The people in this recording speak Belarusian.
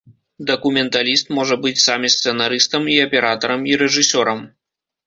Дакументаліст можа быць сам і сцэнарыстам, і аператарам, і рэжысёрам.